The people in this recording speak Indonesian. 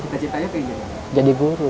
cita citanya pengen jadi apa